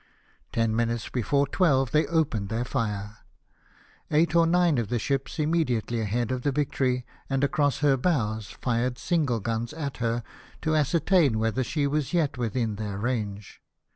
Ten minutes before twelve they opened their fire. Eight or nine of the ships immediately ahead of the Victory, and across her bows, fired single guns at her, to ascertain whether she was yet within their range.